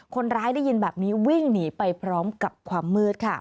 ได้ยินแบบนี้วิ่งหนีไปพร้อมกับความมืดค่ะ